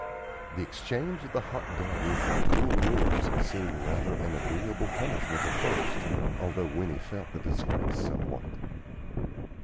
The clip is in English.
The exchange of the hot garden for the cool rooms seemed rather an agreeable punishment at first, although Winnie felt the disgrace somewhat.